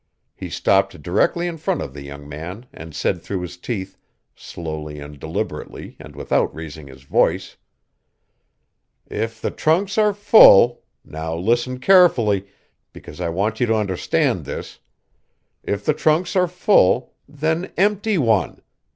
He stopped directly in front of the young man and said through his teeth, slowly and deliberately and without raising his voice: "If the trunks are full now listen carefully, because I want you to understand this if the trunks are full, then empty one.